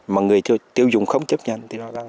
mà người tiêu dùng không chấp nhận